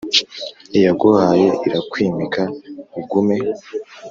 iyaguhaye irakakwimika ugume.